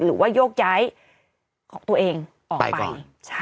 หรือว่าโยกย้ายของตัวเองออกไป